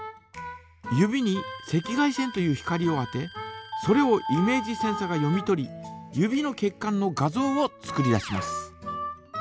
指に赤外線という光を当てそれをイメージセンサが読み取り指の血管の画像を作り出します。